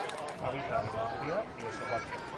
Habita en Hungría y Eslovaquia.